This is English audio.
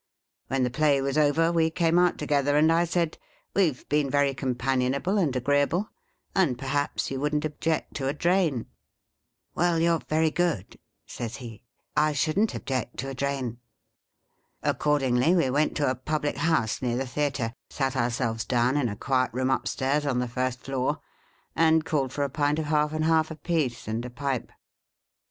When the play was over, we came out together, and I said, ' We Ve been very companionable and agreeable, and perhaps you wouldn't object to a drain ?'' Well, you 're very good,' says he ; 'I shouldn't object to a drain.' Accord ingly, we went to a public house, near the Theatre, sat ourselves down in a quiet room upstairs on the first floor, and called for a pint of half and half, a piece, and a pipe.